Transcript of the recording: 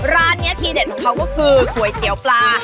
ร้านนี้ทีเด็ดของเขาก็คือก๋วยเตี๋ยวปลา